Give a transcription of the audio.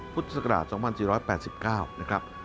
พุทธศ๒๔๘๙นะครับ